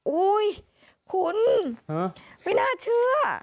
อุ้ยคุณไม่น่าเชื่อ